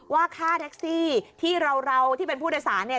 ว่าค่าแท็กซี่ที่เราที่เป็นผู้โดยสารเนี่ย